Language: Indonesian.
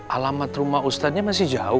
alamat rumah ustadznya masih jauh